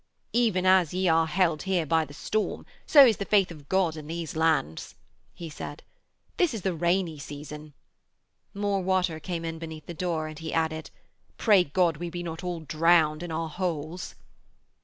'Even as ye are held here by the storm, so is the faith of God in these lands,' he said. 'This is the rainy season.' More water came in beneath the door, and he added, 'Pray God we be not all drowned in our holes.'